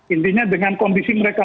intinya dengan kondisi mereka